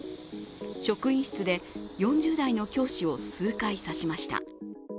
職員室で４０代の教師を数回刺しました。